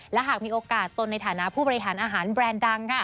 และหากมีโอกาสตนในฐานะผู้บริหารอาหารแบรนด์ดัง